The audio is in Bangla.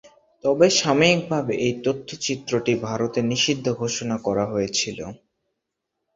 তবে সাময়িকভাবে এই তথ্যচিত্রটি ভারতে নিষিদ্ধ ঘোষণা করা হয়েছিল।